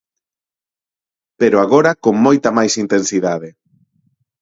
Pero agora con moita máis intensidade.